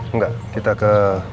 enggak kita ke